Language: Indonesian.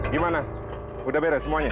gimana udah beres semuanya